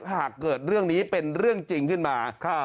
หากเกิดเรื่องนี้เป็นเรื่องจริงขึ้นมา